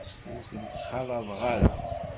Ur tent-ttxalaḍeɣ ara.